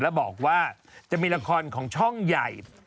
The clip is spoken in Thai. แล้วบอกว่าจะมีละครของช่องใหญ่